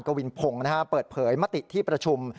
วินพงศ์เปิดเผยมติที่ประชุม